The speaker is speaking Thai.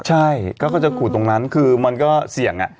ใช่เขาก็จะขูดตรงนั้นคือมันก็เสี่ยง